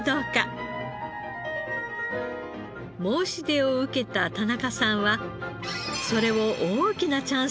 申し出を受けた田中さんはそれを大きなチャンスと考えました。